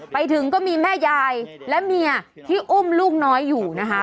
ไปถึงก็มีแม่ยายและเมียที่อุ้มลูกน้อยอยู่นะคะ